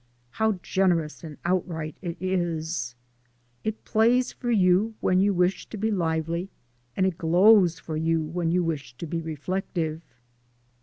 How generous and outright it is! It plays for you when you wish so be lively, and it glows for you when you wish to be reflective.